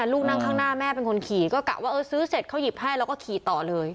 ลูกนั่งข้างหน้าแม่เป็นคนขี่ก็กะว่าเออซื้อเสร็จเขาหยิบให้แล้วก็ขี่ต่อเลย